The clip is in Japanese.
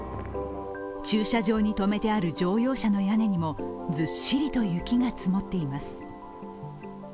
駐車場に止めてある乗用車の屋根にもずっしりと雪が積もっています。